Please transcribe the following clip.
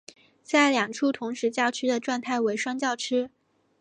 在两处同时叫吃的状态为双叫吃。